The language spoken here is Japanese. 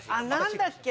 何だっけ？